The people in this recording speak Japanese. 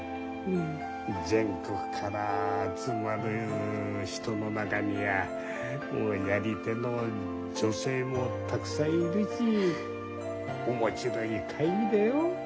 全国から集まる人の中にはやり手の女性もたくさんいるし面白い会議だよ。